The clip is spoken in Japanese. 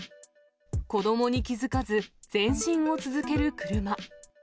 子どもに気付かず前進を続ける車。